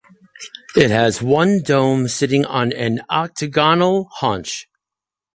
It has one dome sitting on an octagonal haunch.